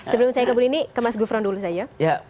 sebelum saya kebun ini ke mas gufron dulu saja